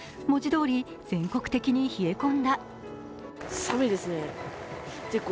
文字通り全国的に冷え込んだ。